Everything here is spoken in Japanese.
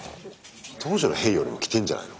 当時の兵よりも着てんじゃないの？